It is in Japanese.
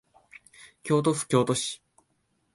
京都府京都市